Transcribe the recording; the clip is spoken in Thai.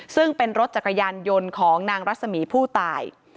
ซึ่งเป็นรถจักรยานยนต์ของนางรัศมีผู้ตาย